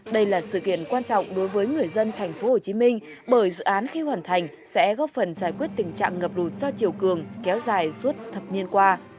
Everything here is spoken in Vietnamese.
đây là sự kiện quan trọng đối với người dân tp hcm bởi dự án khi hoàn thành sẽ góp phần giải quyết tình trạng ngập lụt do chiều cường kéo dài suốt thập niên qua